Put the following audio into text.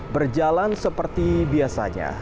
berjalan seperti biasanya